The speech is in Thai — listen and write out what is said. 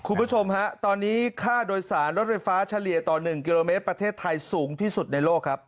คุณผู้ชมฮะตอนนี้ค่าโดยสารรถไฟฟ้าเฉลี่ยต่อ๑กิโลเมตรประเทศไทยสูงที่สุดในโลกครับ